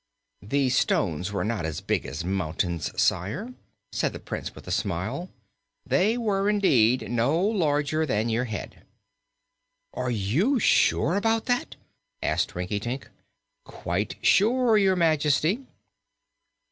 "The stones were not as big as mountains, sire," said the Prince with a smile. "They were, indeed, no larger than your head." "Are you sure about that?" asked Rinkitink. "Quite sure, Your Majesty."